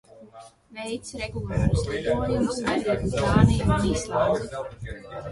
Veic regulārus lidojumus arī uz Dāniju un Islandi.